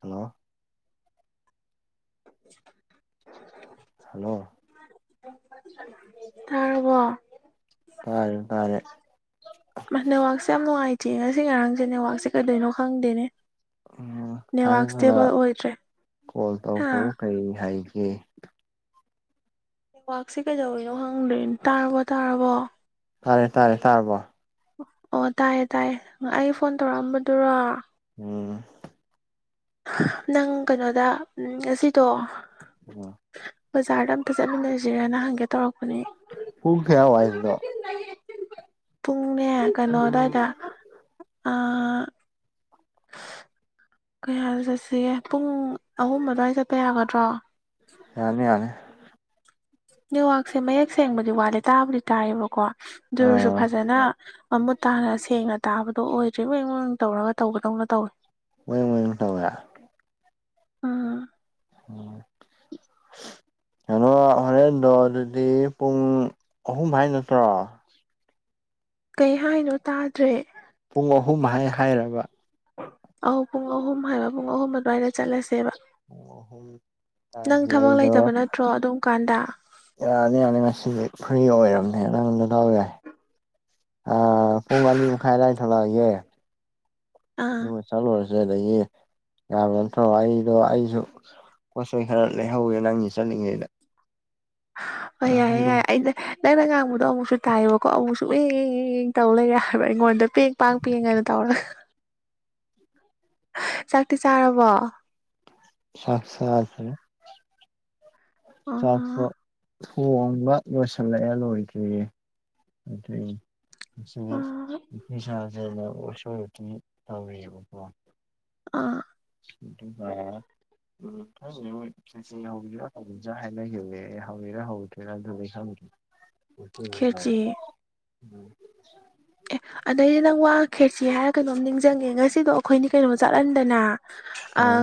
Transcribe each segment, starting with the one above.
ꯍꯜꯜ‌ꯣ [unintelligible] hello ꯇꯥꯔꯕꯣ ꯇꯥꯏꯌꯦ [unintelligible] ꯅꯦꯠꯋꯥꯛꯁꯦ ꯌꯥꯝ ꯅꯨꯡꯉꯥꯏꯇꯦ ꯉꯁꯤ ꯉꯔꯥꯡꯁꯦ ꯅꯦꯠꯋꯥꯛꯁꯦ ꯀꯩꯗꯣꯏꯅꯣ ꯈꯪꯗꯦꯅꯦ ꯎꯝ ꯅꯦꯋꯥꯛ ꯏꯁꯇꯦꯕꯜ ꯊꯥꯖꯗꯅ ꯑꯣꯏꯗ꯭ꯔꯦ ꯀꯣꯜ ꯍꯥ ꯇꯧꯔꯛꯄꯕꯨ ꯀꯩ ꯍꯥꯏꯒꯦ ꯋꯥꯛꯁꯦ ꯀꯩꯗꯧꯔꯤꯅꯣ ꯍꯪꯗꯣꯏꯅꯣ ꯇꯥꯔꯕꯣ ꯇꯥꯔꯕꯣ ꯇꯥꯔꯦ ꯇꯥꯔꯦ ꯇꯥꯔꯕꯣ ꯑꯣ ꯇꯥꯏꯌꯦ ꯇꯥꯏꯌꯦ ꯑꯩ ꯐꯣꯟ ꯇꯧꯔꯛꯑꯝꯕꯗꯨꯔꯣ ꯎꯝ ꯅꯪ ꯀꯩꯅꯣꯗ ꯑꯁꯤꯗꯣ ꯎ ꯕꯖꯥꯔꯗ ꯑꯝꯇ ꯆꯠꯃꯤꯟꯅꯁꯤꯔꯦꯅ ꯍꯪꯒꯦ ꯇꯧꯔꯛꯄꯅꯦ ꯄꯨꯡ ꯀꯌꯥ ꯋꯥꯏꯗꯣ ꯄꯨꯡꯅꯦ ꯀꯩꯅꯣ ꯑꯗꯨꯋꯥꯏꯗ ꯑ ꯀꯌꯥꯗ ꯆꯠꯁꯤꯒꯦ ꯄꯨꯡ ꯑꯍꯨꯝ ꯑꯗꯨꯋꯥꯏ ꯆꯠꯄ ꯌꯥꯒꯗ꯭ꯔꯣ ꯌꯥꯅꯤ ꯌꯥꯅꯦ ꯅꯦꯠꯋꯥꯔꯛꯁꯦ ꯃꯌꯦꯛ ꯁꯦꯡꯕꯗꯤ ꯋꯥꯠꯂꯦ ꯇꯥꯕꯨꯗꯤ ꯇꯥꯏꯌꯦꯕꯀꯣ ꯑꯗꯨ ꯑꯣꯏꯔꯁꯨ ꯑꯥ ꯐꯖꯅ ꯃꯃꯨꯠ ꯇꯥꯅ ꯁꯦꯡꯅ ꯇꯥꯕꯗꯣ ꯑꯣꯏꯗ꯭ꯔꯤ ꯋꯦꯡ ꯋꯦꯡ ꯇꯧꯔꯒ ꯇꯧꯕꯗꯧꯅ ꯇꯧꯏ ꯋꯦꯡ ꯋꯦꯡ ꯇꯧꯋꯦ ꯎꯝ [inaudible] ꯀꯩꯅꯣ ꯍꯣꯔꯦꯟꯗꯣ ꯑꯗꯨꯗꯤ ꯄꯨꯡ ꯑꯍꯨꯝ ꯍꯥꯏ ꯅꯠꯇ꯭ꯔꯣ ꯀꯩ ꯍꯥꯏꯅꯣ ꯇꯥꯗ꯭ꯔꯦ ꯄꯨꯡ ꯑꯍꯨꯝ ꯍꯥꯏ ꯍꯥꯏꯔꯕ ꯑꯧ ꯄꯨꯡ ꯑꯍꯨꯝ ꯍꯥꯏꯕ ꯄꯨꯡ ꯑꯍꯨꯝ ꯑꯗꯨꯋꯥꯏꯗ ꯆꯠꯂꯁꯦꯕ ꯄꯨꯡ ꯑꯍꯨꯝ ꯅꯪ ꯇꯥꯔꯗꯤ ꯊꯕꯛ ꯑꯩꯗꯣ ꯂꯩꯇꯕ ꯅꯠꯇ꯭ꯔꯣ ꯑꯗꯨꯝ ꯀꯥꯟꯗ ꯌꯥꯅꯤ ꯌꯥꯅꯤ ꯉꯁꯤꯁꯦ ꯐ꯭ꯔꯤ ꯑꯣꯏꯔꯕꯅꯦ ꯅꯪ ꯅꯗꯥꯎ ꯌꯥꯏ ꯑ ꯄꯨꯡ ꯑꯅꯤ ꯃꯈꯥꯏ ꯑꯗ꯭ꯋꯥꯏꯗ ꯊꯣꯛꯂꯛꯑ ꯒꯦ ꯑꯥ ꯑꯗꯨꯒ‌ꯆꯠꯂꯨꯔꯖꯤ ꯑꯗꯨꯗ ꯂꯩꯌꯦ ꯌꯥꯕ ꯅꯠꯇ꯭ꯔꯣ ꯑꯩꯗꯣ ꯑꯩꯁꯨ ꯄꯣꯠꯆꯩ ꯈꯔ ꯂꯩꯍꯧꯋꯦ ꯅꯪꯒꯤ ꯆꯠꯂꯤꯉꯩꯗ ꯍ ꯌꯥꯏꯌꯦ ꯍꯩꯔꯨꯝ ꯌꯥꯏꯌꯦ ꯑꯩꯗ ꯅꯪꯩꯅ ꯉꯥꯡꯕꯗꯣ ꯑꯃꯨꯛꯁꯨ ꯇꯥꯏꯌꯦꯕꯀꯣ ꯑꯃꯨꯛꯁꯨ ꯑꯦꯡ ꯑꯦꯡ ꯇꯧ ꯂꯩꯔꯦ ꯍꯥꯏꯕ ꯑꯩꯉꯣꯟꯗ ꯄꯦꯡ ꯄꯥꯡ ꯄꯦꯡꯒꯅ ꯇꯧꯔꯒ [inaudible] ꯆꯥꯛꯇꯤ ꯆꯥꯔꯕꯣ ꯆꯥꯛ ꯆꯥꯈ꯭ꯔꯦ ꯆꯥꯛꯇꯣ ꯑꯣ ꯊꯣꯡꯕ ꯂꯣꯏꯁꯤꯜꯂꯛꯑꯦ ꯂꯣꯏꯗ꯭ꯔꯤꯌꯦ ꯑꯗꯨꯏꯅꯦ ꯑꯁꯤ ꯑꯣ ꯁꯥꯥꯁꯦꯅꯁꯕꯇꯤ ꯇꯧꯔꯤꯕꯀꯣ ꯑꯥ [unintelligible] ꯎꯝ ꯈꯪꯉꯦ ꯃꯣꯏ ꯆꯆ ꯍꯧꯖꯤꯔ ꯍꯧꯖꯤꯁꯤ꯭ꯔꯥ ꯍꯥꯏꯅꯈꯤꯕꯅꯦ ꯍꯧꯔꯤꯔꯥ ꯍꯧꯗ꯭ꯔꯦꯅ ꯑꯗꯨꯗꯤ ꯈꯪꯗꯦ ꯈꯦꯆꯤ [unintelligible] ꯑꯦ ꯑꯗꯩꯗꯤ ꯅꯪ ꯋꯥ ꯈꯦꯠꯁꯤ ꯍꯥꯏꯔ ꯀꯩꯅꯣꯝ ꯅꯤꯡꯁꯤꯡꯉꯦ ꯉꯁꯤꯗꯣ ꯑꯩꯈꯣꯏꯅꯤ ꯀꯩꯅꯣꯝ ꯆꯠꯍꯟꯗꯅ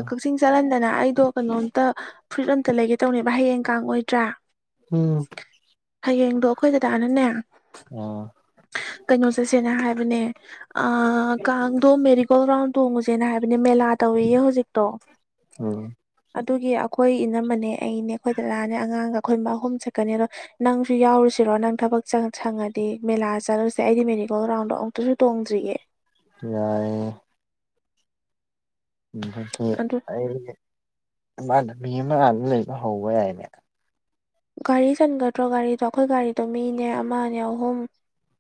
ꯀꯛꯆꯤꯡ ꯆꯠꯍꯟꯗꯅ ꯑꯩꯗꯣ ꯀꯩꯅꯣꯝꯇ ꯐꯨꯔꯤꯠ ꯑꯝꯇ ꯂꯩꯒꯦ ꯇꯧꯅꯦꯕ ꯍꯌꯦꯡ ꯀꯥꯡ ꯑꯣꯏꯗ꯭ꯔꯥ ꯍꯌꯦꯡꯗꯣ ꯑꯩꯈꯣꯏ ꯗꯗꯥꯅꯅꯦ ꯑꯣ ꯀꯩꯅꯣ ꯆꯠꯁꯦꯅ ꯍꯥꯏꯕꯅꯦ ꯑ ꯀꯥꯡꯗꯣ ꯃꯦꯔꯤꯒꯣꯜ ꯔꯥꯎꯟ ꯇꯣꯡꯉꯨꯁꯦꯅ ꯍꯥꯏꯕꯅꯦ ꯃꯦꯂꯥ ꯇꯧꯏꯌꯦ ꯍꯧꯖꯤꯛꯇꯣ ꯎꯝ ꯑꯗꯨꯒꯤ ꯑꯩꯈꯣꯏ ꯏꯅꯝꯃꯅꯦ ꯑꯩꯅꯦ ꯑꯩꯈꯣꯏ ꯗꯗꯥꯅꯦ ꯑꯉꯥꯡꯒ ꯑꯩꯈꯣꯏ ꯑꯍꯨꯝ ꯆꯠꯀꯅꯤꯕ ꯅꯪꯁꯨ ꯌꯥꯎꯔꯨꯁꯤꯔꯣ ꯅꯪ ꯊꯕꯛ ꯁꯪꯉꯗꯤ ꯃꯦꯂꯥ ꯆꯠꯂꯨꯁꯤ ꯁ ꯑꯩꯗꯤ ꯃꯦꯅꯤꯀꯦꯜ ꯒ꯭ꯔꯥꯎꯟꯗ ꯑꯃꯨꯛꯇꯁꯨ ꯇꯣꯡꯗ꯭ꯒꯦ ꯌꯥꯏ ꯑꯗꯨꯗꯒꯤ ꯑꯗꯨ ꯑꯩ ꯃꯥꯃꯗ ꯃꯤ ꯑꯃ ꯑꯗꯨ ꯂꯩꯕ ꯍꯧꯕ ꯌꯥꯏꯅꯦ ꯒꯥꯔꯤ ꯆꯟꯒꯗ꯭ꯔꯣ ꯒꯥꯔꯤꯗꯣ ꯑꯩꯈꯣꯏ ꯒꯥꯔꯤꯗꯣ ꯃꯤꯅꯦ ꯑꯃꯅꯦ ꯑꯍꯨꯝ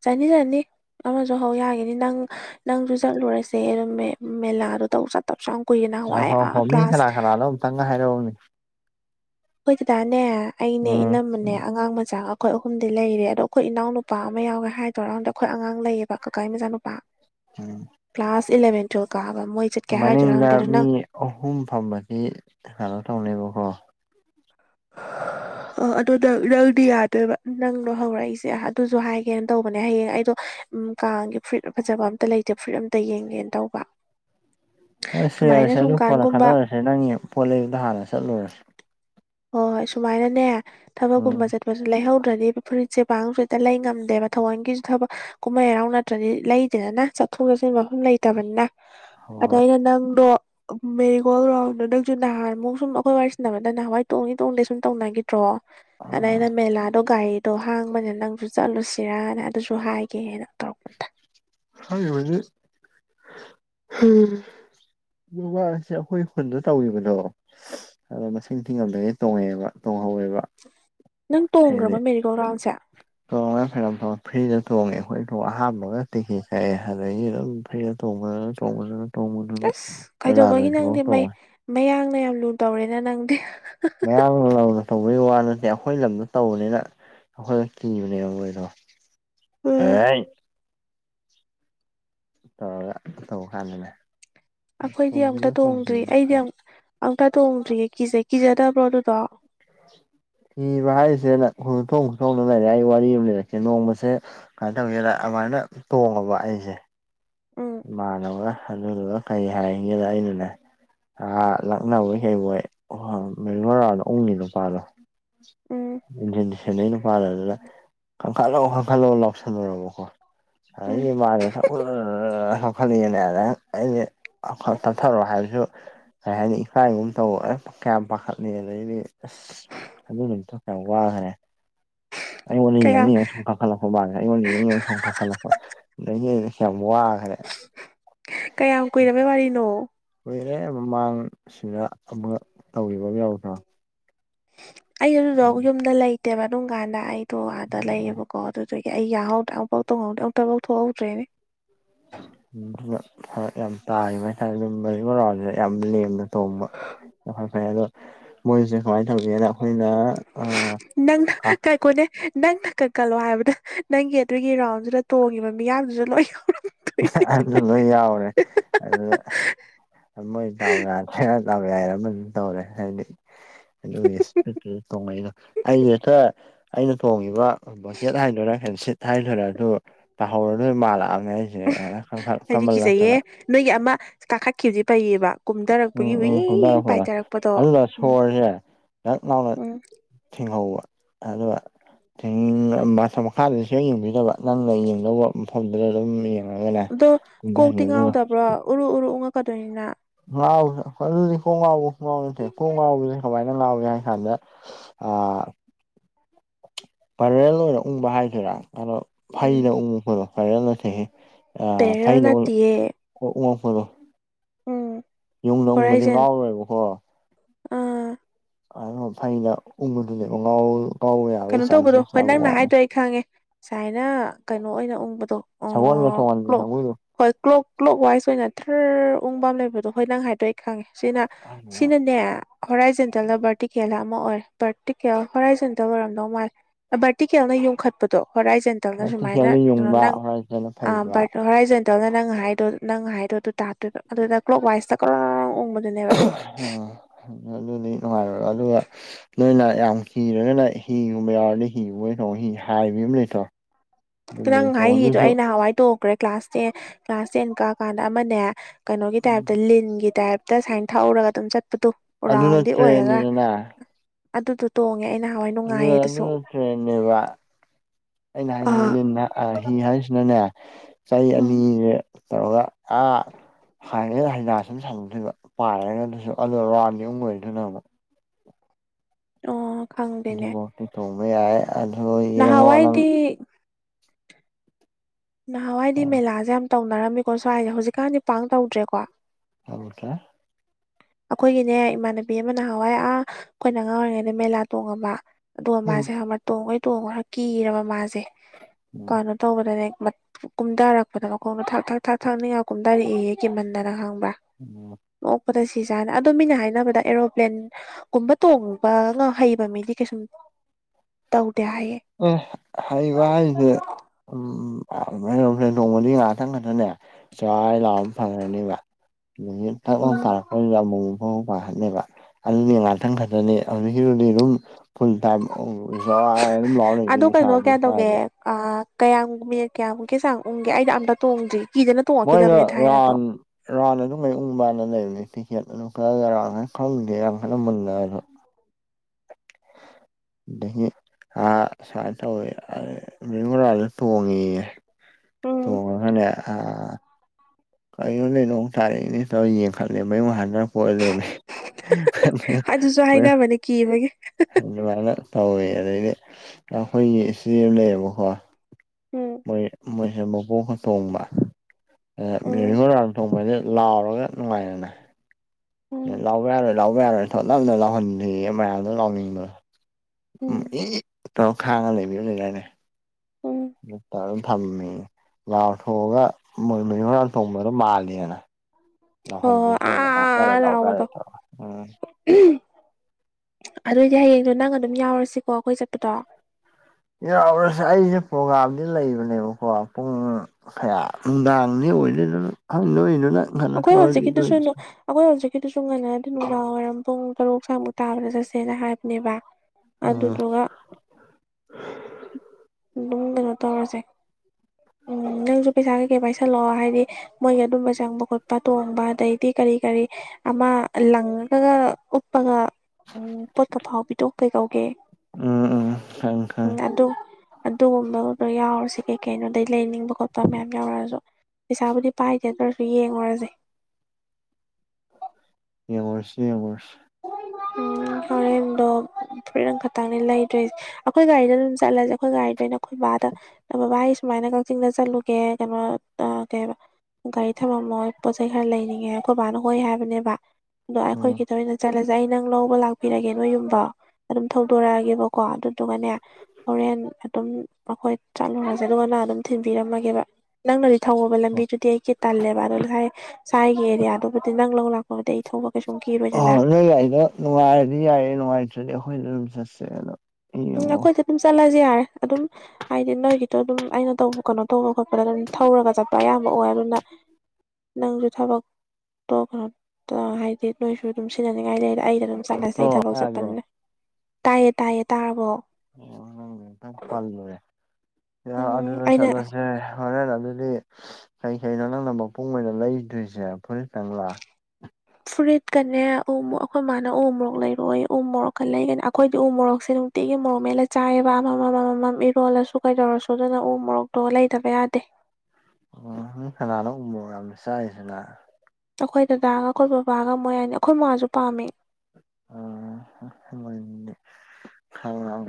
ꯆꯅꯤ ꯆꯅꯤ ꯑꯃꯁꯨ ꯍꯧ ꯌꯥꯈꯤꯅꯤ ꯅꯪ ꯅꯪꯁꯨ ꯆꯠꯂꯨꯔꯁꯦ ꯑꯗꯨꯝ ꯃꯦꯂꯥꯗꯣ ꯇꯧ ꯆ ꯇꯧ ꯆ ꯀꯨꯏꯒꯅ ꯍꯋꯥꯏ ꯑ ꯀ꯭ꯂꯥꯁ ꯈꯤꯇꯪꯒ ꯍꯥꯏꯔꯛꯎꯅꯤ ꯍꯣꯏ ꯗꯥꯅꯦ ꯑꯩꯅꯦ ꯎꯝ ꯏꯅꯝꯕꯅꯦ ꯑꯉꯥꯡ ꯃꯆꯥ ꯑꯩꯈꯣꯏ ꯑꯍꯨꯝꯗꯤ ꯂꯩꯔꯦ ꯑꯗꯣ ꯑꯩꯈꯣꯏ ꯏꯅꯥꯎ ꯅꯨꯄꯥ ꯑꯃ ꯌꯥꯎꯋꯦ ꯍꯥꯏꯗꯧꯔꯀꯥꯟꯗ ꯑꯩꯈꯣꯏ ꯑꯉꯥꯡ ꯂꯩꯌꯦꯕ ꯀꯀꯥ ꯃꯆꯥꯅꯄꯥ [unintelligible] ꯎꯝ ꯀ꯭ꯂꯥꯁ ꯏꯂꯦꯚꯦꯟ ꯇ꯭ꯋꯦꯜ ꯀꯥꯕ ꯃꯣꯏ ꯆꯠꯀꯦ ꯍꯥꯏꯗꯣꯏꯔ ꯃꯅꯤꯡꯗ ꯈꯪꯗꯦ ꯑꯗꯨ ꯃꯤ ꯅꯪ ꯑꯍꯨꯝ ꯐꯕꯒꯤ ꯀꯩꯅꯣ ꯇꯧꯅꯦꯕꯀꯣ [unintelligible] ꯑ ꯑꯗꯨꯗ ꯅꯪꯗꯤ ꯌꯥꯗꯣꯏꯕ ꯅꯪꯗꯣ ꯍꯧꯔꯛꯏꯁꯦ ꯑꯗꯨꯁꯨ ꯍꯥꯏꯒꯦꯅ ꯇꯧꯕꯅꯦ ꯍꯌꯦꯡ ꯑꯩꯗꯣ ꯎꯝ ꯀꯥꯡꯒꯤꯦ ꯐꯨꯏꯠ ꯐꯖꯕ ꯑꯝꯇ ꯂꯩꯇꯦ ꯐꯨꯏꯠ ꯑꯝꯇ ꯌꯦꯡꯒꯦꯅ ꯇꯧꯕ ꯍꯣꯏꯁꯨ ꯁꯨꯃꯥꯏꯅ ꯌꯥꯔꯁꯦ ꯑꯗꯨ ꯁꯨꯝ ꯀꯣꯟꯅ ꯀꯥꯟꯒꯨꯝꯕ ꯈꯟꯅꯔꯁꯦ ꯅꯪꯒꯤ ꯄꯣꯠ ꯂꯩꯕꯗ ꯍꯥꯟꯅ ꯆꯠꯂꯨꯔꯁꯤ ꯍꯣꯏ ꯍꯣꯏ ꯁꯨꯃꯥꯏꯅꯅꯦ ꯎꯝ ꯊꯕꯛꯀꯨꯝꯕ ꯆꯠꯄ ꯁꯨ ꯂꯩꯍꯧꯗ꯭ꯔꯗꯤ ꯐꯨꯔꯤꯠꯁꯦ ꯄꯥꯡꯁꯨ ꯍꯦꯛꯇ ꯂꯩ ꯉꯝꯗꯦꯕ ꯊꯧꯋꯥꯟꯒꯤꯁꯨ ꯊꯕꯛ ꯀꯨꯝꯍꯩ ꯍꯔꯥꯎ ꯅꯠꯇ꯭ꯔꯗꯤ ꯂꯩꯗꯦꯗꯅ ꯆꯠꯊꯣꯛ ꯆꯠꯁꯤꯟ ꯃꯐꯝ ꯂꯩꯇꯕꯅꯤꯅ ꯑꯗ ꯍꯣꯏ ꯑꯩꯅ ꯅꯪꯗꯣ ꯃꯦꯔꯤ ꯒꯣꯜ ꯔꯥꯎꯟ ꯑꯗꯨꯗꯁꯨ ꯅꯍꯥꯟꯃꯨꯛ ꯁꯨꯝ ꯑꯩꯈꯣꯏ ꯋꯥꯔꯤ ꯁꯟꯅꯅꯕꯗ ꯅꯍꯥꯟꯋꯥꯏ ꯇꯣꯡꯉꯤ ꯇꯣꯡꯗꯦ ꯁꯨꯝ ꯇꯧꯅꯈꯤ ꯭ꯔꯣ ꯑꯅꯩꯅ ꯃꯦꯂ ꯑꯗꯣ ꯒꯥꯔꯤꯗꯣ ꯍꯥꯡꯕꯅꯦ ꯅꯪꯁꯨ ꯆꯠꯂꯨꯁꯤꯔꯅ ꯑꯗꯨꯁꯨ ꯍꯥꯏꯒꯦꯅ ꯇꯧꯔꯛꯄ ꯍꯥꯏ ꯍꯧꯖꯤ ꯌꯣꯒꯥꯁꯦ ꯑꯩꯈꯣꯏ ꯈꯨꯟꯗ ꯇꯧꯔꯤꯕꯗꯣ ꯑꯗꯣ ꯃꯁꯤꯡ ꯊꯤꯡꯉꯝꯗꯒꯤ ꯇꯣꯡꯉꯛꯑꯦꯕ ꯇꯣꯡꯍꯧꯋꯦꯕ ꯅꯪ ꯍꯥꯏꯗꯤ ꯇꯣꯡꯈ꯭ꯔꯕ ꯃꯦꯔꯤꯒꯣ ꯔꯥꯎꯟꯁꯦ ꯇꯣꯡꯉꯒ ꯐꯅ ꯐ ꯐ꯭ꯔꯤꯗ ꯇꯣꯡꯉꯦ ꯑꯩꯈꯣꯏꯣꯡ ꯑꯍꯥꯟꯕꯒ ꯇꯤꯀꯦ ꯀꯥꯛꯑꯦ ꯑꯗꯒꯤ ꯑꯗꯨꯝ ꯐꯩꯅ ꯇꯣꯡꯕꯗꯨꯅ ꯇꯣꯡꯕꯗꯨꯅ ꯇꯣꯡꯕꯗꯨꯅ ꯑꯁ ꯕꯦꯂꯥ ꯀꯩꯗꯧꯕꯒꯤ ꯂꯣꯏꯗ꯭ꯔꯤꯐꯥꯎ ꯅꯪꯗꯤ ꯇꯣꯡꯉꯦ ꯃꯩ ꯃꯌꯥꯡꯅ ꯌꯥꯝ ꯂꯨ ꯇꯧꯔꯦꯅ ꯅꯪꯗꯤ ꯃꯌꯥꯡ ꯂꯥꯎꯅ ꯇꯧꯕꯒꯤ ꯋꯥ ꯅꯠꯇꯦ ꯑꯈꯣꯏ ꯂꯝꯗ ꯇꯧꯕꯅꯤꯅ ꯑꯈꯣꯏꯗ ꯀꯤꯕꯅꯦꯕ ꯃꯣꯏꯗꯣ ꯎꯝ ꯍꯦꯑꯥꯏꯠ ꯇꯧꯔꯒ ꯇꯧ ꯀꯥꯟꯗꯅꯦ ꯑꯈꯣꯏꯗꯤ ꯑꯃꯝꯇꯥ ꯇꯣꯝꯕꯤꯌꯨ ꯇꯣꯡꯗ꯭ꯔꯤ ꯇꯣꯝꯕꯤꯌꯨ ꯑꯩꯗꯤ ꯍꯥꯏ ꯑꯝ ꯑꯝꯇꯥ ꯇꯣꯡꯗ꯭ꯔꯤꯌꯦ ꯀꯖꯩ ꯀꯤꯖꯗꯕ꯭ꯔꯣ ꯑꯗꯨꯗꯣ ꯊꯤꯕ ꯍꯥꯏꯔꯤꯁꯦꯅ ꯈꯨ ꯊꯣꯡ ꯈꯨ ꯊꯣꯡꯗ ꯂꯩꯔꯦ ꯑꯩ ꯋꯥꯔꯤ ꯑꯃ ꯂꯤꯔꯛꯀꯦ ꯅꯣꯡꯃꯁꯦ ꯀꯃꯥꯏꯅꯟ ꯇꯧꯒꯦꯗ ꯑꯗꯨꯃꯥꯏꯅ ꯇꯣꯡꯉꯕ ꯑꯩꯖꯦ ꯎꯝ ꯏꯃꯥꯟꯅꯕꯒ ꯑꯗꯨꯗꯨꯒ ꯀꯔꯤ ꯍꯥꯏꯔꯤꯒꯦꯗ ꯑꯩꯅꯅꯦ ꯑꯥ ꯂꯛꯅꯕꯣꯏ ꯍꯩꯕꯣꯏ [unintelligible] ꯃꯦꯔꯤꯒꯣꯟ ꯔꯥꯎꯟꯗ ꯎꯡꯉꯤ ꯅꯨꯄꯥꯗꯣ ꯎꯝ ꯏꯟꯖꯤꯟ ꯁꯦꯟꯅꯩ ꯅꯨꯄꯥ [unintelligible] ꯀꯟꯈꯠꯂꯣ ꯀꯟꯈꯠꯂꯣ ꯂꯥꯎꯁꯜꯂꯨꯔꯕ ꯎꯝ ꯑꯗꯩꯗꯤ [unintelligible] [unintelligible] ꯇꯞꯊꯔꯣ ꯍꯥꯏꯕꯁꯨ ꯀꯩ ꯍꯥꯏꯅꯤ ꯏꯀꯥꯏꯒꯨꯝ ꯇꯧ ꯑꯁ ꯀꯌꯥꯝ ꯄꯥꯈꯠꯂꯤ ꯑꯗꯩꯗꯤ ꯑꯁ ꯑꯗꯨ ꯅꯨꯃꯤꯠꯇꯨ ꯀꯌꯥꯝ ꯋꯥꯈ꯭ꯔꯦ ꯑꯩꯉꯣꯟꯗ ꯀꯌꯥꯝ ꯌꯦꯡꯉ ꯌꯦꯡꯉ ꯁꯨꯝ ꯀꯥꯟꯈꯠꯂꯛꯄ ꯃꯥꯖꯦ ꯑꯩꯉꯣꯟꯗ ꯌꯦꯡꯉ ꯌꯦꯡꯉ ꯁꯨꯝ ꯀꯥꯟꯈꯠꯂꯛ ꯑꯗꯒꯤ [unintelligible] ꯀꯌꯥꯝ ꯋꯥ ꯀꯌꯥꯝ ꯀꯨꯏꯔꯕꯩ ꯋꯥꯔꯤꯅꯣ ꯀꯨꯏꯔꯦ ꯃꯃꯥꯡ ꯁꯤꯗ ꯑꯃꯨꯔꯛ ꯇꯧꯒꯤꯕ ꯑꯃ ꯌꯥꯎꯗ꯭ꯔꯣ ꯑꯩ ꯑꯗꯨꯗꯣ ꯌꯨꯝꯗ ꯂꯩꯇꯦꯕ ꯑꯗꯨꯡ ꯀꯥꯟꯗ ꯑꯩꯗꯣ ꯑꯥꯗ ꯂꯩꯌꯦꯕꯀꯣ ꯑꯗꯨ ꯑꯗꯨꯒꯤ ꯑꯩ ꯌꯥꯎꯍꯧꯗ꯭ꯔꯦ ꯑꯃꯨꯛꯐꯥꯎ ꯇꯣꯡꯍꯧꯗꯦ ꯑꯃꯨꯛꯇꯥꯕꯨꯛ ꯊꯣꯍꯧꯗ꯭ꯔꯦꯃꯦ ꯅꯨꯃꯤꯠꯇꯨꯗ ꯐꯔꯛ ꯌꯥꯝ ꯇꯥꯒꯤꯕ ꯍꯥꯏꯇꯥꯔꯦ ꯑꯗꯨꯝ ꯃꯦꯔꯤꯒꯣꯟ ꯔꯥꯎꯟꯖꯦ ꯌꯥꯝ ꯂꯦꯝꯅ ꯇꯣꯡꯕ [unintelligible] ꯑꯗꯣ ꯃꯣꯏꯖꯦ ꯀꯃꯥꯏꯟ ꯇꯧꯒꯦꯅ ꯑꯈꯣꯏꯅ ꯅꯪ ꯉꯥꯏꯀꯣꯅꯦ ꯅꯪꯅ ꯀꯟꯀꯜꯂꯣ ꯍꯥꯏꯕꯗꯣ ꯅꯪꯒꯤ ꯑꯗꯨꯒꯤ ꯔꯥꯎꯟꯗꯨꯗ ꯇꯣꯡꯉꯤꯕ ꯃꯤꯌꯥꯝꯗꯨꯖꯨ ꯂꯣꯏ [inaudible] ꯑꯗꯨ ꯂꯣꯏ ꯌꯥꯎꯔꯦ ꯑꯗꯨꯗ ꯑꯥ ꯃꯣꯏ ꯗꯥꯎ ꯌꯥꯊ꯭ꯔꯤꯔꯥ ꯗꯥꯎ ꯌꯥꯏꯔꯥ ꯑꯃꯗꯤ ꯇꯧꯔꯦ ꯍꯥꯏꯗꯤ ꯑꯗꯨꯒꯤ ꯁ꯭ꯄꯤꯠꯇꯨꯗ ꯇꯣꯡꯉꯥꯏꯗꯣ ꯑꯩ ꯍꯦꯛꯇ ꯑꯩꯅ ꯇꯣꯡꯉꯤꯕ ꯕꯛꯀꯦꯠ ꯍꯥꯏꯗꯣꯏꯔꯥ ꯍꯦꯟꯁꯤꯠ ꯍꯥꯏꯗꯣꯏꯔꯥ ꯑꯗꯨ ꯇꯥꯍꯧꯔꯗꯣꯏ ꯃꯥꯜꯂꯛꯑꯝꯃꯦ [unintelligible] ꯑꯩꯗꯤ ꯀꯤꯖꯩꯌꯦ ꯀꯝꯃꯜꯂꯛꯇꯅ ꯅꯣꯏꯒꯤ ꯑꯃ ꯀꯥꯈꯠꯈꯤꯕꯗꯤ ꯐꯩꯌꯦꯕ ꯀꯨꯝꯗꯥꯔꯛꯄꯒꯤ ꯎꯝ ꯃꯥ ꯎꯝ ꯏꯤꯡ ꯍꯨꯟꯗꯔꯣ ꯍꯨꯟꯗꯔꯣ ꯄꯥꯏꯗꯥꯔꯛꯄꯗꯣ ꯑꯗꯨꯒ ꯎꯝ ꯁꯣꯔꯁꯦ ꯅꯛ ꯂꯥꯎꯅ ꯎꯝ ꯊꯤꯡꯍꯧꯕ ꯑꯗꯨꯒ ꯊꯤꯡ ꯃꯊꯛ ꯃꯈꯥꯗꯗꯤ ꯁꯨꯡꯌꯦꯡ ꯌꯦꯡꯕꯤꯗꯕ ꯅꯪꯅ ꯌꯦꯡꯗꯧꯕ ꯃꯐꯝꯗꯨꯗ ꯑꯗꯨꯝ ꯌꯦꯡꯉꯒꯅꯦ ꯀꯨꯝꯗꯍꯟꯒꯅꯨ ꯔꯥꯎ ꯎꯔꯨ ꯎꯔꯨ ꯎꯪꯉꯛꯀꯥꯗꯣꯏꯅꯤꯅ ꯉꯥꯎ [unintelligible] ꯑꯗꯨꯗꯤ ꯀꯣꯛ ꯉꯥꯎꯕ ꯈꯨꯉꯥꯎꯗꯣ ꯅꯠꯇꯦ ꯀꯣꯛ ꯉꯥꯎꯕꯖꯦ ꯀꯃꯥꯏꯅ ꯉꯥꯎꯒꯦ ꯍꯥꯏ ꯀꯥꯟꯗ ꯑꯥ [inaudible] ꯄꯔꯦꯜ ꯑꯣꯏꯅ ꯎꯨꯡꯕ ꯍꯥꯏꯗꯣꯏꯔꯥ ꯑꯗꯣ ꯎꯝ ꯐꯩꯅ ꯎꯨꯡꯉꯛꯕꯗꯣ ꯄꯏꯔꯦꯜ ꯅꯠꯇꯦꯍꯦ ꯑꯥ ꯄꯦꯔꯦꯜ ꯐꯩꯩꯅ ꯎꯡ ꯅꯠꯇꯤꯌꯦ ꯎꯡꯉꯛꯄꯗꯣ ꯎꯝ ꯌꯨꯡꯅ ꯎꯨꯡꯕꯗꯤ ꯍꯣꯔꯥꯏꯖꯟ ꯉꯥꯎꯔꯣꯏꯕ ꯀꯣ ꯑꯥ [unintelligible] ꯐꯩꯅ ꯎꯨꯡꯕꯗꯨꯅꯦꯕ ꯉꯥꯎ ꯉꯥꯎꯕ ꯀꯩꯅꯣ ꯌꯥꯕꯒꯤ ꯇꯧꯕꯗꯣ ꯆꯥꯟꯁꯦꯁ ꯍꯣꯏ ꯌꯥꯝ ꯅꯪꯅ ꯋꯥꯡꯉꯦ ꯍꯥꯏꯗꯣ ꯑꯩ ꯈꯪꯉꯦ ꯁꯥꯏꯅ ꯀꯩꯅꯣ ꯑꯣꯏꯅ ꯎꯨꯡꯕꯗꯣ ꯁꯒꯣꯜꯒ ꯇꯣꯡꯍꯟꯕꯤ ꯀꯡꯒꯨꯗꯣ ꯍꯣꯏ ꯀ꯭ꯂꯣꯛ ꯀ꯭ꯂꯣꯛ ꯋꯥꯏꯁ ꯑꯣꯏꯅ ꯊ꯭ꯔ ꯎꯪꯕ ꯑꯃ ꯂꯩꯕꯗꯣ ꯍꯣꯏ ꯅꯪ ꯍꯥꯏꯗꯣ ꯑꯩ ꯈꯪꯉꯦ ꯁꯤꯅ ꯁꯤꯅꯅꯦ ꯍꯣꯔꯥꯏꯖꯦꯟꯇꯦꯜꯗ ꯚ꯭ꯔꯇꯤ ꯈꯦꯜꯂ ꯑꯃ ꯑꯣꯏ ꯄ꯭ꯔꯇꯤꯀꯦꯜ ꯍꯣꯔꯥꯏꯖꯟ ꯇ‌ꯦꯜ ꯑꯣꯏꯔꯝꯗꯧ ꯃꯥꯜ ꯚ꯭ꯔꯇꯤꯀꯦꯜꯅ ꯌꯨꯡꯈꯠꯄꯗꯣ ꯍꯣꯔꯥꯏꯖꯟ ꯇꯜꯅ ꯁꯨꯃꯥꯏꯅ ꯚꯔꯇꯤꯀꯦꯜꯗ [unintelligible] ꯌꯨꯡꯕ ꯅꯪ ꯍꯣꯔꯥꯏꯖꯟꯗ ꯑ ꯐꯩꯕ ꯚ꯭ꯔꯠ ꯍ‌ꯣꯔꯥꯏꯖꯟ ꯇꯧꯅ ꯅꯪ ꯍꯥꯏꯗꯣ ꯅꯪ ꯍꯥꯏꯔꯣ ꯑꯗꯨ ꯇꯥꯗꯣꯏꯕ ꯑꯗꯨꯅ ꯀ꯭ꯂꯣꯛ ꯋꯥꯏꯁꯇ [unintelligible] ꯎꯝ ꯑꯗꯨꯗꯤ ꯅꯨꯡꯉꯥꯏꯔ ꯑꯗꯨꯒ ꯅꯣꯏꯅ ꯌꯥꯝ ꯀꯤꯔꯒꯅ ꯍꯤꯒꯨꯝꯕ ꯌꯥꯎꯔꯗꯤ ꯍꯤꯒꯨꯝꯕ ꯊꯣꯡꯉ ꯍꯤ ꯍꯥꯏꯕ ꯑꯃ ꯂꯩꯇ꯭ꯔꯣ ꯅꯪ ꯑꯗꯨꯃꯥꯏꯅ ꯍꯥꯏ ꯇꯧ ꯍꯤꯗꯣ ꯑ ꯑꯗꯨꯁꯨ ꯅꯍꯥꯟꯋꯥꯏ ꯇꯣꯛꯈ꯭ꯔꯦ ꯀ꯭ꯂꯥꯁ ꯇꯦꯟ ꯀ꯭ꯂꯥꯁ ꯇꯦꯟ ꯀꯥ ꯀꯥꯟꯗ ꯑꯃꯅꯦ ꯀꯩꯅꯣꯒꯤ ꯇꯥꯏꯞꯇ ꯂꯤꯟꯒꯤ ꯇꯥꯏꯞꯇ ꯁꯨꯃꯥꯏꯅ ꯊꯧꯔꯒ ꯑꯗꯨꯝ ꯆꯠꯄꯗꯣ ꯑꯗꯨꯅ ꯔꯥꯎꯟꯗꯤ ꯑꯣꯏꯔꯒ ꯇ꯭ꯔꯦꯟꯅꯤꯗꯅ ꯑꯗꯨꯗꯣ ꯇꯣꯡꯉꯦ ꯑꯩ ꯅꯍꯋꯥꯏ ꯑꯗꯨꯅ ꯑꯗꯨꯅ ꯇ꯭ꯔꯦꯟꯅꯦꯕ ꯑꯩꯅ ꯑꯥ ꯍꯥꯏꯅꯤꯅ ꯍꯤ ꯍꯥꯏꯁꯤꯅꯅꯦ ꯆꯍꯤ ꯎꯝ ꯑꯅꯤꯁꯦ ꯇꯧꯔꯒ ꯑꯥ ꯍꯥꯏ ꯍꯩꯩꯅ ꯁꯨꯝ ꯁꯝꯗꯣꯏꯕ ꯄꯥꯏꯔꯅ ꯑꯗꯨꯁꯨ ꯑꯗꯨ ꯔꯥꯎꯟꯗꯤ ꯎ ꯑꯣꯏꯗꯣꯏ ꯅꯪ ꯑꯣ ꯈꯪꯗꯦꯅꯦ ꯑꯗꯨꯐꯥꯎꯇꯤ ꯇꯧꯕ ꯌꯥꯏ ꯑꯗꯨ ꯌꯦꯡꯉꯣ ꯅꯪ ꯅꯍꯥꯟꯋꯥꯏꯗꯤ ꯅꯍꯥꯟꯋꯥꯏꯗꯤ ꯃꯦꯂꯥꯁꯦ ꯌꯥꯝ ꯇꯧꯅꯔꯝꯃꯤꯀꯣ ꯁ꯭ꯋꯥꯏꯁꯦ ꯍꯧꯖꯤꯛꯀꯥꯟꯗꯤ ꯄꯥꯛ ꯇꯧꯗ꯭ꯔꯦꯀꯣ ꯇꯧꯗꯔꯦ ꯑꯩꯈꯣꯏꯒꯤꯅꯦ ꯏꯃꯥꯟꯅꯕꯤ ꯑꯃ ꯅꯍꯥꯟꯋꯥꯏ ꯑꯥ ꯑꯩꯈꯣꯏꯅ ꯑꯉꯥꯡ ꯑꯣꯏꯔꯤꯉꯩꯗ ꯃꯦꯂꯥ ꯇꯣꯡꯉꯕ ꯑꯗꯨꯒ ꯃꯥꯁꯦ ꯇꯣꯡꯉꯩ ꯇꯣꯡꯉ ꯈꯔ ꯀꯤꯔꯕ ꯃꯥꯁꯦ ꯀꯩꯅꯣ ꯇꯧꯕꯗꯅꯦ ꯀꯨꯝꯗꯔꯛꯄꯗ ꯃꯈꯣꯡꯗꯣ ꯊ ꯊ ꯊꯛ ꯊꯛ ꯅꯤꯛꯑ ꯌꯜ ꯀꯨꯝꯊꯔꯛꯌꯦ ꯀꯤꯃꯟꯗꯅ ꯍꯪꯕ꯭ꯔꯥ ꯎꯝ ꯅꯣꯛꯄꯗꯁꯤ ꯁꯤꯖꯥꯅ ꯑꯗꯣ ꯃꯤꯅ ꯍꯥꯏꯅꯕꯗ ꯑꯦꯔꯣꯄ꯭ꯂꯦꯟꯒꯨꯝꯕ ꯇꯣꯡꯕꯒ ꯍꯩꯕ ꯃꯤꯗꯤ ꯀꯩꯁꯨꯝ ꯇꯧꯗꯦ ꯍꯥꯏ ꯑꯦ ꯍꯩꯕ ꯍꯥꯏꯁꯦ ꯎꯝ ꯑꯦꯔꯣꯄ꯭ꯂꯦꯟ ꯇꯣꯡꯕꯗꯤ ꯉꯥꯛꯇꯪ ꯈꯛꯇꯅꯦ ꯁ꯭ꯋꯥꯏ ꯂꯥꯎ ꯐꯪꯈ꯭ꯔꯅꯦꯕ ꯃꯤꯅꯠ ꯇꯛ ꯂꯥꯎꯅ ꯎꯝ ꯇꯥꯔꯛꯄꯗꯨꯗ ꯑꯃꯨꯛ ꯃꯨꯛ ꯐꯪ ꯄꯥꯏꯈꯠꯅꯦꯕꯥ ꯑꯗꯨꯗꯤ ꯉꯥꯛꯇꯪ ꯈꯛꯇꯅꯦ ꯑꯗꯨꯗꯒꯤꯗꯤ ꯑꯗꯨꯝ ꯐꯨꯜ ꯇꯥꯏꯝ ꯑꯣ [unintelligible] ꯑꯗꯨ ꯀꯩꯅꯣ ꯀꯌꯥ ꯇꯧꯒꯦ ꯑꯥ ꯀꯌꯥꯝ ꯃꯤꯅꯠ ꯀꯌꯥꯃꯨꯛꯀꯤ ꯆꯥꯡ ꯎꯡꯒꯦ ꯑꯩꯩꯗꯤ ꯑꯝꯇ ꯇꯣꯡꯗ꯭ꯔꯤ ꯀꯤꯗꯅ ꯃꯣꯏꯗꯣ ꯇꯣꯡꯉꯛꯈꯤꯗꯕꯅꯦ ꯊꯥꯏꯅꯗꯣ ꯔꯥꯎꯟ ꯔꯥꯟꯎ ꯑꯗꯨꯒꯩ ꯎꯡꯕꯅ ꯂꯩꯕꯅꯦ ꯇꯤꯀꯦꯠ ꯑꯗꯨꯝ ꯀꯛ ꯑꯒ ꯔꯥꯟꯎ ꯈꯔ ꯈꯪꯗꯦ ꯌꯥꯝ ꯀꯟꯅ ꯃꯨꯟꯅ ꯑꯩꯁꯨ [inaudible] ꯑꯗꯒꯤ ꯑꯥ ꯁꯨꯃꯥꯏꯅ ꯇꯧꯋꯦ ꯑꯗꯩꯩ ꯕꯤꯃꯨꯔꯗꯥ ꯇꯣꯡꯉꯦꯌꯦ ꯎꯝ ꯇꯣꯡꯉꯒꯅꯦ ꯑꯥ ꯀꯩꯅꯣꯅꯦ ꯅꯣꯡ ꯇꯥꯔꯛꯑꯦꯅꯦ ꯇꯧꯔ ꯌꯦꯡꯈꯠꯂꯦ ꯃꯌꯨꯡ ꯍꯥꯟꯗꯔꯛ ꯄ ꯑꯣꯏꯂꯩꯔꯝꯃꯦ ꯍꯦ ꯃꯌꯨꯡ ꯑꯗꯨꯁꯨ ꯃꯌꯨꯡ ꯍꯥꯏꯅꯕꯅꯦ ꯀꯤꯕꯒꯤ ꯑꯗꯨꯃꯥꯏꯅ ꯇꯧꯋꯦ ꯑꯗꯩꯗꯤ ꯑꯩꯈꯣꯏꯒꯤ ꯏꯆꯦ ꯑꯃ ꯂꯩꯌꯦꯕꯀꯣ ꯎꯝ ꯃꯣꯏ ꯃꯣꯏꯁꯦ ꯃꯕꯣꯛꯀ ꯇꯣꯡꯕ ꯑꯗꯥ ꯎꯝ ꯕꯦꯍꯨ ꯔꯥꯎꯟ ꯇꯣꯡꯕꯁꯦ ꯂꯥꯎꯔꯒ ꯅꯨꯡꯉꯥꯏꯗꯅ ꯎꯝ ꯂꯥꯎꯕ ꯌꯥꯔꯣꯏ ꯂꯥꯎꯕ ꯌꯥꯔꯣꯏ ꯊꯣꯠꯅꯝꯗꯅ ꯂꯥꯎꯍꯟꯗꯦꯌꯦ ꯃꯌꯥꯝꯗꯣ ꯂꯥꯎꯅꯤꯡꯗꯅ ꯎꯝ ꯏꯤꯛ ꯏꯤꯛ ꯇꯧꯔ ꯈꯥꯡꯉꯒ ꯂꯩꯕꯤ ꯑꯃ ꯂꯩꯗꯥꯏꯅꯦ ꯎꯝ ꯑꯗꯨꯝ ꯇꯧꯔꯥ ꯐꯝꯃꯦꯌꯦ ꯂꯥꯎꯊꯣꯛꯑꯒ ꯃꯣꯏ ꯃꯔꯤ ꯃꯉꯥ ꯇꯣꯡꯕꯒ ꯃꯥꯜꯂꯦꯅ ꯍꯣꯏ ꯍꯣꯏ [unintelligible] ꯑꯗꯨꯏꯗꯤ ꯍꯥꯌꯦꯡꯗꯣ ꯅꯪ ꯑꯗꯨꯝ ꯌꯥꯎꯔꯁꯤꯀꯣ ꯑꯩꯈꯣꯏ ꯆꯠꯄꯗꯣ ꯌꯥꯎꯔꯁꯦ ꯑꯩꯁꯦ ꯄ꯭ꯔꯣꯒꯥꯝꯗꯤ ꯂꯩꯕꯅꯦꯕꯀꯣ ꯄꯨꯡ ꯀꯌꯥ ꯅꯨꯡꯗꯥꯡꯅꯤ ꯑꯣꯏꯗꯣꯏꯅꯦ ꯑꯗꯨꯅ ꯈꯪꯗꯕꯩ ꯅꯪ ꯑꯩꯈꯣꯏ ꯍꯧꯖꯤꯛꯀꯤꯗꯨꯁꯨ ꯅꯨ ꯑꯩꯈꯣꯏ ꯍꯧꯖꯤꯛꯀꯤꯗꯤꯁꯨꯨ ꯉꯟꯅꯗꯨ ꯅꯨꯡꯗꯥꯡꯋꯥꯏꯔꯝ ꯄꯨꯡ ꯇꯥꯔꯨꯛ ꯁ꯭ꯋꯥꯏꯃꯨꯛ ꯇꯥꯕꯗ ꯆꯠꯁꯦꯅ ꯍꯥꯏꯕꯅꯦꯕ ꯎꯝ ꯑꯗꯨꯗꯨꯒ ꯑꯗꯨꯝ ꯀꯩꯅꯣ ꯇꯧꯔꯁꯦ ꯎꯝ ꯅꯪꯁꯨ ꯄꯩꯁꯥ ꯀꯩꯀꯩ ꯄꯥꯏꯁꯜꯂꯛꯑꯣ ꯍꯥꯏꯗꯤ ꯃꯣꯏꯒꯤ ꯑꯗꯨꯝꯕ ꯆꯪꯕ ꯈꯣꯠꯄ ꯇꯣꯡꯕ ꯑꯗꯩꯗꯤ ꯀꯔꯤ ꯀꯔꯤ ꯑꯃ ꯂꯪꯉꯥꯒꯒ ꯎꯞꯄꯒ ꯎꯝ ꯄꯣꯠꯀ ꯐꯥꯎꯕꯤꯗꯣ ꯀꯩ ꯀꯧꯒꯦ ꯎꯝ ꯎꯝ ꯈꯪꯉꯦ ꯈꯪꯉꯦ ꯑꯗꯨꯒꯨꯝꯕꯒ ꯈꯔ ꯌꯥꯎꯔꯁꯤ ꯀꯩ ꯀꯩꯅꯣ ꯑꯗꯩ ꯂꯩꯅꯤꯡꯕ ꯈꯣꯠꯄ ꯃꯌꯥꯝ ꯌꯥꯎꯔꯛꯑꯁꯨ ꯄꯩꯁꯥꯕꯨꯗꯤ ꯄꯥꯏꯗꯦ ꯑꯗꯨ ꯑꯣꯏꯔꯁꯨ ꯌꯦꯡꯉꯨꯔꯁꯦ ꯌꯦꯡꯉꯨꯔꯁꯤ ꯌꯦꯡꯉꯨꯔꯁꯤ ꯎꯝ ꯍꯣꯔꯦꯟꯗꯣ ꯐꯨꯔꯤꯠ ꯑꯝꯈꯛꯇꯪꯅꯦ ꯂꯩꯗꯣꯏꯁꯦ ꯑꯩꯈꯣꯏ ꯒꯥꯔꯤꯗ ꯑꯗꯨꯝ ꯆꯠꯂꯁꯦ ꯑꯩꯈꯣꯏ ꯒꯥꯔꯤꯗꯅ ꯑꯩꯈꯣꯏ ꯕꯥꯗ ꯕꯥꯕꯥ ꯑꯩ ꯁꯨꯃꯥꯏꯅ ꯀꯛꯆꯤꯡꯗ ꯆꯠꯂꯨꯒꯦ ꯀꯩꯅꯣ ꯑꯥ ꯀꯩ ꯑꯕꯥ ꯒꯥꯔꯤ ꯊꯝꯃꯝꯃꯣ ꯑꯩ ꯄꯣꯠ ꯆꯩꯩ ꯈꯔ ꯂꯩꯅꯤꯡꯉꯦ ꯑꯩꯈꯣꯏ ꯕꯥꯅ ꯍꯣꯏ ꯍꯥꯏꯕꯅꯦꯕ ꯑꯗ ꯎꯝ ꯑꯩꯈꯣꯏꯒꯤꯗ ꯑꯣꯏꯅ ꯆꯠꯂꯁꯦ ꯑꯩ ꯅꯪ ꯂꯧꯕ ꯂꯥꯛꯄꯤꯔꯒꯦ ꯅꯣꯏ ꯌꯨꯝꯕꯥꯎ ꯑꯗꯨꯝ ꯊꯧꯗꯣꯔꯛꯑꯒꯦꯕꯀꯣ ꯑꯗꯨꯗꯨꯒꯅꯦ ꯍꯣꯔꯦꯟ ꯑꯗꯨꯝ ꯑꯥꯈꯣꯏ ꯆꯠꯂꯨꯔꯁꯦ ꯑꯗꯨꯒ ꯅꯪ ꯑꯗꯨꯝ ꯊꯤꯟꯕꯤꯔꯝꯃꯒꯦꯕ ꯅꯪꯅꯗꯤ ꯊꯧꯑꯣꯕ ꯍꯣꯏ ꯂꯝꯕꯤꯗꯨꯗꯤ ꯑꯩꯗꯤ ꯇꯜꯂꯦꯕ ꯑꯗꯣ ꯁꯥꯏ ꯁꯥꯏꯒꯤ ꯑꯦꯔꯤꯌꯥꯗꯨꯕꯨꯗꯤ ꯅꯪ ꯂꯧ ꯂꯥꯛꯄꯕꯨꯗꯤ ꯑꯩ ꯊꯧꯕꯥ ꯀꯩꯁꯨꯝ ꯀꯤꯔꯣꯏꯗꯅ ꯑꯣ ꯅꯣꯏ ꯒꯥꯔꯤꯗꯣ ꯅꯨꯡꯉꯥꯏꯔꯗꯤ ꯌꯥꯏꯌꯦ ꯅꯨꯡꯉꯥꯏꯇ꯭ꯔꯗꯤ ꯑꯩꯈꯣꯏꯗ ꯑꯗꯨꯝ ꯆꯠꯁꯦ ꯑꯗꯣ ꯎꯝ ꯌꯦꯡꯉꯣ ꯑꯩꯈꯣꯏꯗ ꯑꯗꯨꯝ ꯆꯠꯂꯁꯦ ꯌꯥꯔꯦ ꯑꯗꯨꯝ ꯍꯥꯏꯗꯤ ꯅꯣꯏꯒꯤꯗꯣ ꯑꯗꯨꯝ ꯑꯩꯅ ꯇꯧꯕ ꯀꯩꯅꯣ ꯇꯧꯕ ꯈꯣꯠꯄꯗ ꯑꯗꯨꯝ ꯊꯧꯔꯒ ꯆꯠꯄ ꯑꯌꯥꯝꯕ ꯑꯣꯏ ꯑꯗꯨꯅ ꯅꯪꯁꯨ ꯊꯕꯛꯇꯣ ꯑꯥ ꯑꯥ ꯍꯥꯏꯗꯤ ꯅꯣꯏꯁꯨ ꯑꯗꯨꯝ ꯁꯤꯟꯖꯤꯟꯅꯅꯤꯡꯉꯥꯏ ꯂꯩꯗ ꯑꯩꯗ ꯑꯗꯨꯝ ꯆꯠꯂꯁꯦ ꯑꯩꯒꯤ ꯅꯠꯇ꯭ꯔꯣ ꯊꯕꯛ ꯇꯥꯕ꯭ꯔꯣ ꯆꯠꯄꯅꯤꯅꯥ ꯇꯥꯏꯌꯦ ꯇꯥꯏꯌꯦ ꯇꯥꯔꯕꯣ ꯎꯝ ꯉꯛꯇꯪ ꯄꯜꯂꯨꯔꯦ ꯌꯥꯏ ꯎꯝ ꯑꯗꯨꯗ ꯑꯩꯅ ꯆꯠꯂꯁꯦ ꯁꯦ ꯍꯣꯔꯦꯟ ꯑꯗꯨꯗꯤ ꯀꯩꯀꯩꯅꯣ ꯅꯪꯅ ꯃꯄꯨꯡ ꯑꯣꯏꯅ ꯂꯩꯗꯣꯏꯁꯦ ꯐꯨꯔꯤꯠ ꯇꯪꯂꯥ ꯐꯨꯔꯤꯠꯀꯅꯦ ꯎꯃꯣ ꯑꯩꯈꯣꯏ ꯃꯥꯅ ꯎꯃꯣꯔꯣꯛ ꯂꯩꯔꯛ ꯑꯣꯌꯦ ꯎꯃꯣꯔꯣꯛꯀ ꯂꯩꯒꯅꯤ ꯑꯩꯈꯣꯏꯗꯤ ꯎꯃꯣꯔꯣꯛꯁꯦ ꯅꯨꯡꯇꯤꯒꯤ ꯃꯣꯔꯣꯛ ꯃꯦꯠꯂ ꯆꯥꯏꯌꯦꯕ ꯑꯃꯃꯝ ꯃꯝ ꯃꯝ ꯃꯝ ꯏꯔꯣꯜꯂꯁꯨ ꯀꯩꯗꯧꯔꯁꯨ ꯑꯗꯨꯅ ꯎꯃꯣꯔꯣꯛꯇꯣ ꯂꯩꯇꯕ ꯌꯥꯗꯦ ꯎ ꯅꯪ ꯀꯅꯥꯅꯣ ꯎꯕ ꯌꯥꯝꯅ ꯆꯥꯏꯔꯤꯁꯤꯅ ꯑꯩꯈꯣꯏ ꯗꯗꯥꯒ ꯑꯩꯈꯣꯏ ꯕꯕꯥꯒ ꯃꯣꯏ ꯍꯥꯏꯅꯤ ꯑꯩꯈꯣꯏ ꯃꯥꯁꯨ ꯄꯥꯝꯃꯤ ꯑꯣꯣꯏꯅꯦ ꯍ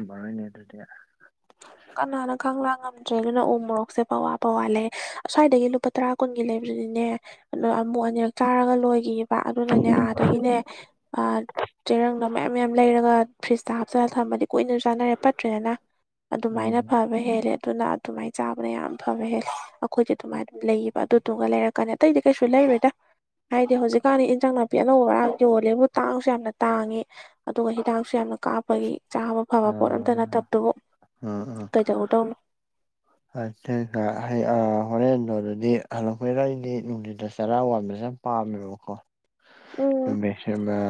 ꯍꯣꯏꯅꯦ ꯑꯗꯨꯗꯤ ꯀꯅꯥꯅ ꯀꯪꯂꯥ ꯉꯝꯗ꯭ꯔꯦ ꯑꯗꯨꯅ ꯎ ꯃꯣꯔꯣꯛꯁꯦ ꯄꯋꯥꯕꯋꯥꯠ ꯂꯩꯦ ꯑꯁ꯭ꯋꯥꯏꯗꯒꯤ ꯂꯨꯄꯥ ꯇꯔꯥ ꯀꯨꯟꯒꯤ ꯂꯩꯕꯗꯨꯗꯤꯅꯦ ꯑꯗ ꯑꯃꯨꯛ ꯑꯅꯤꯔꯛ ꯆꯥꯔꯒ ꯂꯣꯏꯈꯤ ꯑꯗꯨꯅꯅꯦ ꯑꯥꯗꯒꯤꯅꯦ ꯆꯦꯔꯪꯗꯣ ꯃꯌꯥꯝ ꯃꯌꯥꯝ ꯂꯩꯔꯒ ꯐ꯭ꯔꯤꯖꯇ ꯍꯥꯞꯆꯜꯂꯒ ꯊꯃꯗꯤ ꯀꯨꯏꯅꯁꯨ ꯆꯥꯅꯔꯦ ꯄꯠꯇ꯭ꯔꯦꯗꯅ ꯑꯗꯨꯃꯥꯏꯅ ꯎꯝ ꯐꯕ ꯍꯦꯜꯂꯦ ꯑꯗꯨꯅ ꯑꯗꯨꯃꯥꯏꯅ ꯆꯥꯕꯅ ꯌꯥꯝ ꯐꯋꯦ ꯍ ꯑꯩꯈꯣꯏꯗꯤ ꯑꯗꯨꯃꯥꯏꯅ ꯑꯗꯨꯝ ꯂꯩꯌꯦꯕ ꯑꯗꯨꯗꯨꯒ ꯂꯩꯔ ꯀꯅ ꯑꯇꯩꯗꯤ ꯀꯩꯁꯨ ꯂꯩꯔꯦꯗ ꯍꯥꯏꯗꯤ ꯍꯧꯖꯤꯛꯀꯥꯟꯗꯤ ꯏꯟꯖꯥꯡ ꯅꯥꯄꯤ ꯑꯅꯧꯕ ꯑꯔꯥꯡ ꯌꯣꯜꯂꯦꯕꯨ ꯇꯥꯡꯁꯨ ꯌꯥꯝꯅ ꯇꯥꯡꯏꯤ ꯑꯗꯨꯒ ꯍꯤꯗꯥꯛꯁꯨ ꯌꯥꯝꯅ ꯀꯥꯞꯄꯒꯤ ꯆꯥꯕ ꯐꯕ ꯑ ꯄꯣꯠ ꯑꯝꯇ ꯅꯠꯇꯕꯗꯨꯕꯨ ꯎꯝ ꯎꯝ ꯀꯩꯗꯧꯗꯧꯅꯣ [inaudible] ꯍꯣꯔꯦꯟꯗꯣ ꯑꯗꯨꯗꯤ ꯍꯜꯂꯛꯄꯔ ꯑꯩꯗꯤ ꯅꯨꯡꯊꯠꯇ ꯆꯔꯥ ꯋꯥꯟꯕ ꯆꯝ ꯄꯥꯝꯀꯣ ꯎꯝ